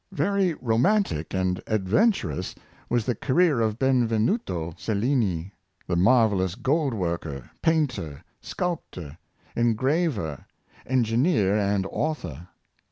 Very romantic and adventurous was the career of Benvenuto Cellini, the marvellous gold worker, painter, sculptor, engraver, engineer, and author.